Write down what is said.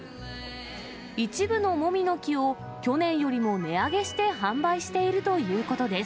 一部のもみの木を、去年よりも値上げして販売しているということです。